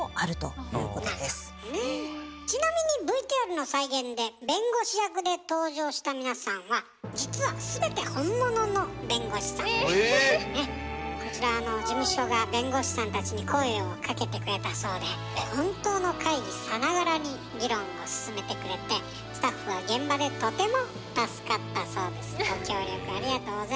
ちなみにＶＴＲの再現で弁護士役で登場した皆さんは実はこちらは事務所が弁護士さんたちに声をかけてくれたそうで本当の会議さながらに議論を進めてくれてスタッフは現場でとても助かったそうです。